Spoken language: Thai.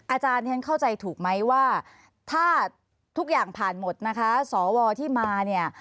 อาจารย์ฉันเข้าใจถูกไหมว่าถ้าทุกอย่างผ่านหมดนะคะสวที่มาเนี่ย